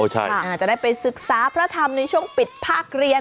ใช่จะได้ไปศึกษาพระธรรมในช่วงปิดภาคเรียน